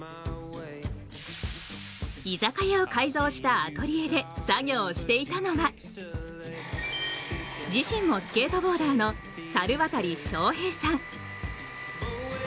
居酒屋を改造したアトリエで作業していたのは自身もスケートボーダーの猿渡翔平さん。